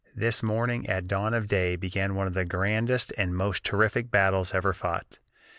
"This morning at dawn of day began one of the grandest and most terrific battles ever fought.